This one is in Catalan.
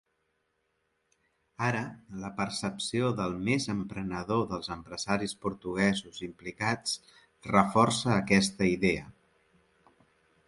Ara la percepció del més emprenedor dels empresaris portuguesos implicats reforça aquesta idea.